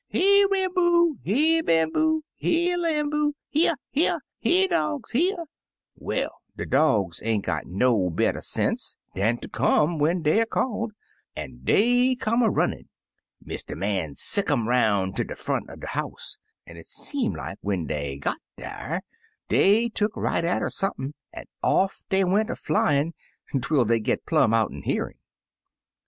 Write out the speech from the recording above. "'Here, Ram boo! here. Bamboo! here, Lamboo — here, here! Here, dogs, here!' Well, de dogs ain't got no better sense dan ter come when 73 Uncle Remus Returns deyer called, an' dey come a ninnin'. Mr. Man sicc'd um 'roun' ter de front er de house, an* it seem like dat when dey got dar, dey tuck right atter sump'n, an' off dey went a flyin* twel dey git plumb out'n hearin'.